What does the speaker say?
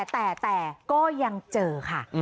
แต่ก็ยังเจอค่ะ